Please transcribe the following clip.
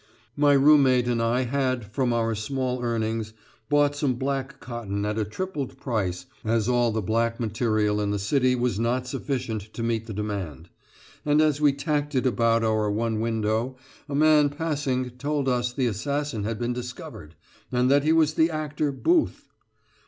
My room mate and I had, from our small earnings, bought some black cotton at a tripled price, as all the black material in the city was not sufficient to meet the demand; and as we tacked it about our one window, a man passing told us the assassin had been discovered, and that he was the actor Booth.